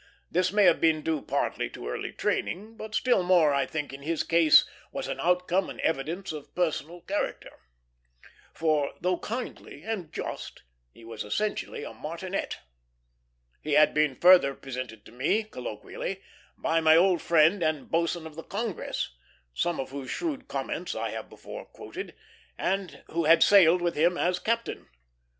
This may have been due partly to early training, but still more, I think, in his case, was an outcome and evidence of personal character; for, though kindly and just, he was essentially a martinet. He had been further presented to me, colloquially, by my old friend the boatswain of the Congress, some of whose shrewd comments I have before quoted, and who had sailed with him as a captain.